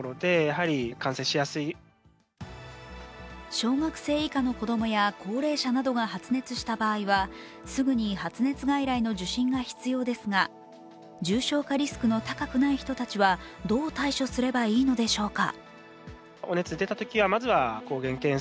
小学生以下の子供や高齢者などが発熱した場合は、すぐに発熱外来の受診が必要ですが、重症化リスクの高くない人たちはどう対処すればいいのでしょうか。